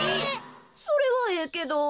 それはええけど。